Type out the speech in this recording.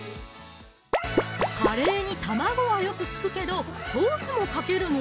カレーに卵はよく聞くけどソースもかけるの？